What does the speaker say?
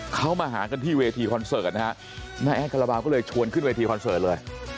เขามาหากันที่เวทีคอนเสิร์ตนะฮะแม่แอดคาราบาลก็เลยชวนขึ้นเวทีคอนเสิร์ตเลย